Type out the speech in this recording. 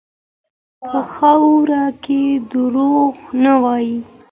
په خاوره کې دروغ نه وي.